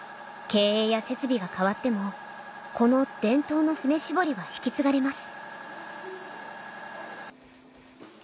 経営や設備が変わってもこの伝統のふね搾りは引き継がれます